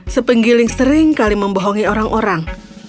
sepenggiling sering kali membohongi orang orang